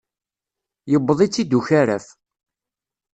Yuweḍ-itt-id ukaraf.